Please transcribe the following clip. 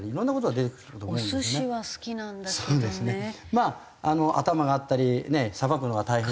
まあ頭があったりさばくのが大変だって。